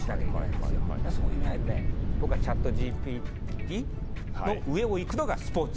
そういう意味でチャットＧＰＴの上をいくのがスポーツ。